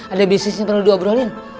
ada bisnisnya perlu diobrolin